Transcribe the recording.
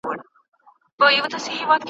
ماته مه راځه خزانه زه پخوا یم رژېدلی `